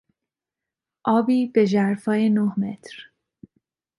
آبی به ژرفای نه متر